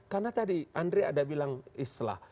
karena tadi andres ada bilang islah